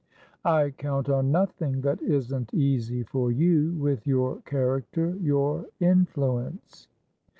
"I count on nothing that isn't easy for youwith your character, your influence."